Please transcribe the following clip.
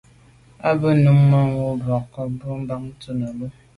A be num manwù mars bo avril mban to’ nelo.